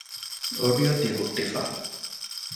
އޮޑި އޮތީ ހުއްޓިފަ